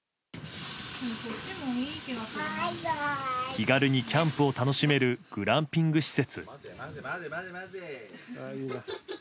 気軽にキャンプを楽しめるグランピング施設。